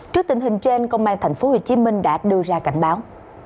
trước tình hình trên công an tp hcm đã đưa ra cảnh báo